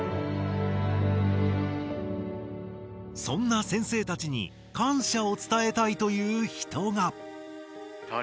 そんな先生たちに感謝を伝えたいという人が。